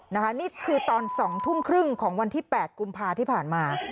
นี่คือตอน๒ทุ่มครึ่งของวันที่๘กุมภาที่ผ่านมา